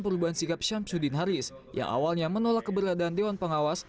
perubahan sikap syamsuddin haris yang awalnya menolak keberadaan dewan pengawas